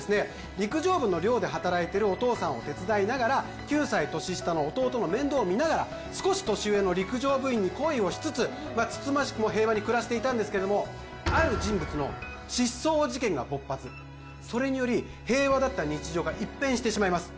陸上部の寮で働いてるお父さんを手伝いながら９歳年下の弟の面倒をみながら少し年上の陸上部員に恋をしつつ慎ましくも平和に暮らしていたんですけれどもある人物の失踪事件が勃発それにより平和だった日常が一変してしまいます